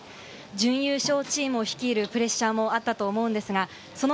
準優勝チームを率いるプレッシャーもあったと思います。